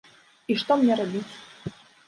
І што мне рабіць?